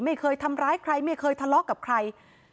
ไม่เคยทำร้ายใครไม่เคยทะเลาะกับใคร